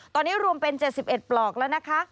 ตอนนี้รวมเป็น๗๑ปลอกแล้วนะคะ